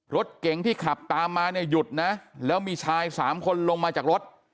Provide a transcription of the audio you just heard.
รถเก๋งที่ขับตามมาเนี่ยหยุดนะแล้วมีชายสามคนลงมาจากรถ